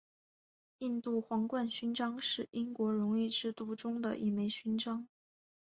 印度皇冠勋章是英国荣誉制度中的一枚勋章。